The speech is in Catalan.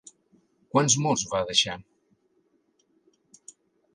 Quants morts va deixar?